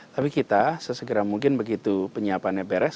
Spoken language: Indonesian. tapi kita sesegera mungkin begitu penyiapannya beres